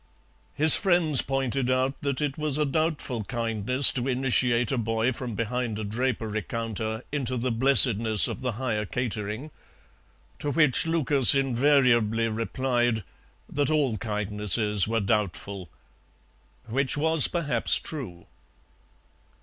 His friends pointed out that it was a doubtful kindness to initiate a boy from behind a drapery counter into the blessedness of the higher catering, to which Lucas invariably replied that all kindnesses were doubtful. Which was perhaps true.